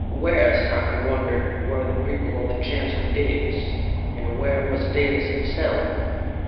Where, Sarka wondered, were the people of the Gens of Dalis? And where was Dalis himself!